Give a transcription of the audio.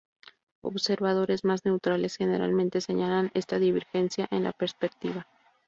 Observadores más neutrales generalmente señalan esta divergencia en la perspectiva.